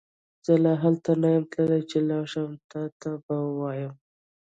زه لا هلته نه يم تللی چې لاړشم تا ته به وويم